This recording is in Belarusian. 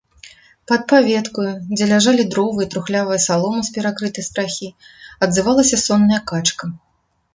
Пад паветкаю, дзе ляжалі дровы і трухлявая салома з перакрытай страхі, адзывалася сонная качка.